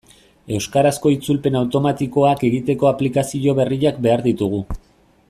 Euskarazko itzulpen automatikoak egiteko aplikazio berriak behar ditugu.